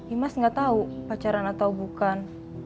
imas nggak tahu pacaran atau bukan